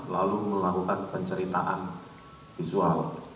lalu melakukan penceritaan visual